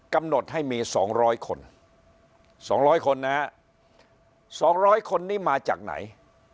กำหนดให้มี๒๐๐คน๒๐๐คนนะฮะ๒๐๐คนนี้มาจากไหน